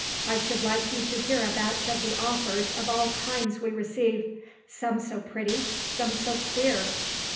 I should like you to hear a batch of the offers of all kinds we receive, some so pretty, some so queer.